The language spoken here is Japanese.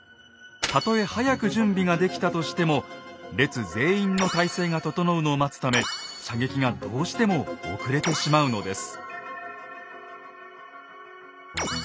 たとえ早く準備ができたとしても列全員の態勢が整うのを待つため射撃がどうしても遅れてしまうのです。